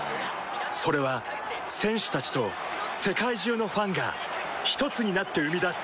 それは選手たちと世界中のファンがひとつになって生み出す